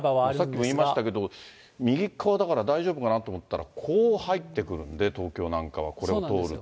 さっきも言いましたけど、右っ側はだから大丈夫かなと思ったら、こう入ってくるんで、東京なんかは、ここを通ると。